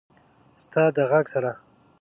ستا د ږغ سره…